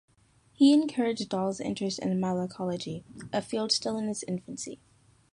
He encouraged Dall's interest in malacology, a field still in its infancy.